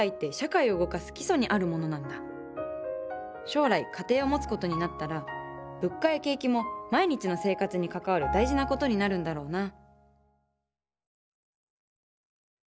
将来家庭を持つことになったら物価や景気も毎日の生活に関わる大事なことになるんだろうな